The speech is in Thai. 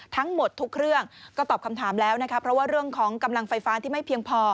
ทั้งหมดทุกเรื่องก็ตอบคำถามแล้วนะคะเพราะว่าเรื่องของกำลังไฟฟ้าที่ไม่เพียงพอ